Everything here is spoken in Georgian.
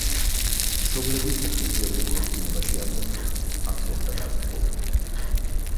მშობლები ოფიციალურ ქორწინებაში არ ყოფილან, არც ერთად არ უცხოვრიათ.